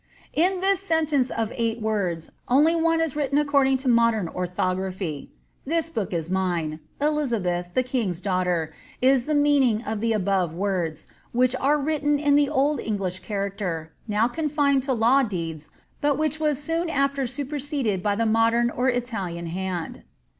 In this sentence of eight words, only one is written aecordinf to modern orthography, nis hook is mine^ Elizabelk, the king^s daugk' ter^ is the meaning of the above words, which are written in the old English character, now confined to law deeds, but which was soon after superseded by the modem or Italian hand.